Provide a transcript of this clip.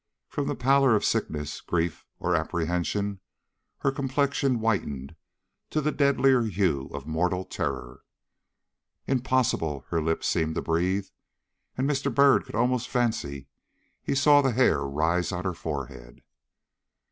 From the pallor of sickness, grief, or apprehension, her complexion whitened to the deadlier hue of mortal terror. "Impossible!" her lips seemed to breathe; and Mr. Byrd could almost fancy he saw the hair rise on her forehead.